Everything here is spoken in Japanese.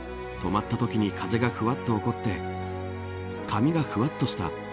止まったときに風がふわっと起こって髪がふわっとした。